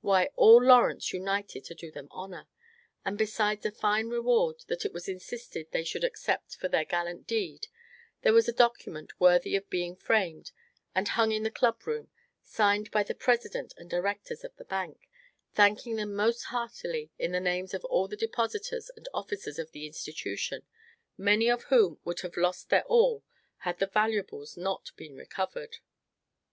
Why, all Lawrence united to do them honor; and besides a fine reward that it was insisted they should accept for their gallant deed, there was a document worthy of being framed, and hung in the club room, signed by the president and directors of the bank, thanking them most heartily in the names of all the depositors and officers of the institution, many of whom would have lost their all had the valuables not been recovered.